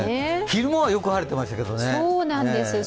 昼間はよく晴れてたんですけどね。